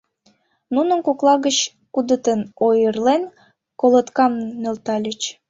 Нунын кокла гыч кудытын ойырлен, колоткам нӧлтальыч.